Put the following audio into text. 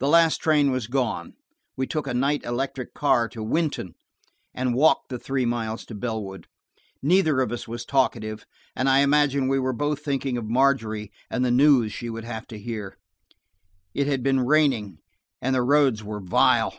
The last train had gone. We took a night electric car to Wynton, and walked the three miles to Bellwood. Neither of us was talkative, and I imagine we were both thinking of Margery, and the news she would have to hear. It had been raining, and the roads were vile.